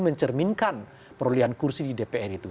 mencerminkan perolehan kursi di dpr itu